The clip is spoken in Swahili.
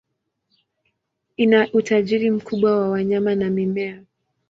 Ina utajiri mkubwa wa wanyama na mimea.